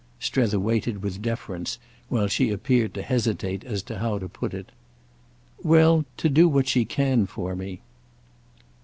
—Strether waited with deference while she appeared to hesitate as to how to put it. "Well, to do what she can for me."